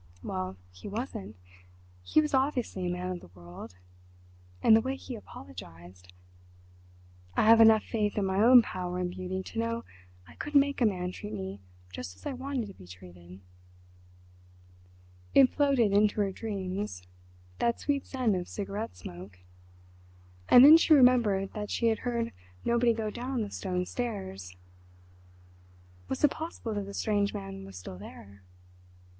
Well, he wasn't—he was obviously a man of the world, and the way he apologised... I have enough faith in my own power and beauty to know I could make a man treat me just as I wanted to be treated."... It floated into her dreams—that sweet scent of cigarette smoke. And then she remembered that she had heard nobody go down the stone stairs. Was it possible that the strange man was still there?...